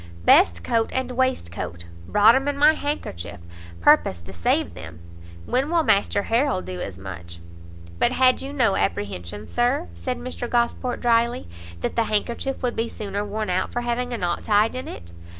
"Best coat and waistcoat; brought 'em in my handkerchief, purpose to save them. When will Master Harrel do as much?" "But had you no apprehensions, Sir," said Mr Gosport drily, "that the handkerchief would be the sooner worn out for having a knot tied in it?"